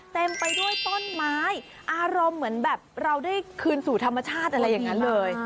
เต็มไปด้วยต้นไม้อารมณ์เหมือนแบบเราได้คืนสู่ธรรมชาติอะไรอย่างนั้นเลย